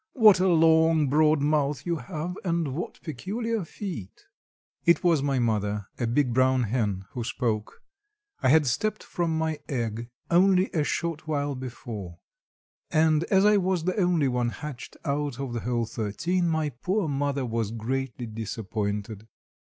what a long, broad mouth you have, and what peculiar feet!" It was my mother, a big brown hen, who spoke. I had stepped from my egg, only a short while before, and as I was the only one hatched out of the whole thirteen, my poor mother was greatly disappointed.